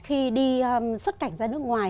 khi đi xuất cảnh ra nước ngoài